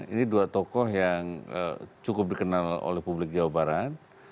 ini dua tokoh yang cukup dikenal oleh publik jawa barat